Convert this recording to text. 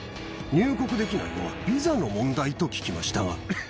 入国できないのはビザの問題と聞きましたが。